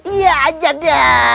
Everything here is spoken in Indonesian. iya aja dah